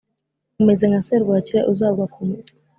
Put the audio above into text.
Umeze nka serwakira uzagwa ku mutwe